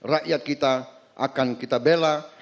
rakyat kita akan kita bela